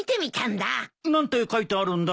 何て書いてあるんだい？